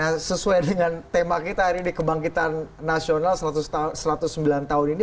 nah sesuai dengan tema kita hari ini kebangkitan nasional satu ratus sembilan tahun ini